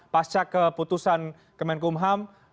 pasca keputusan kemenkumham